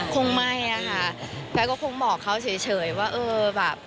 คงไม่อะค่ะแก๊ก็คงบอกเขาเฉยว่าเออแบบ